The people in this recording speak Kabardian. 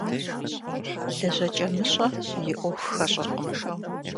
ЛэжьэкӀэмыщӀэ и Ӏуэху хэщӀыркъым.